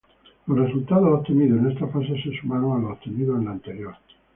Los resultados obtenidos en esta fase se sumaron a los obtenidos en la anterior.